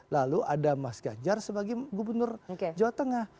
lalu ada mas ganjar sebagai gubernur jawa tengah